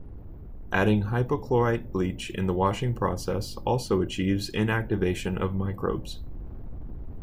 Adding hypochlorite bleach in the washing process also achieves inactivation of microbes.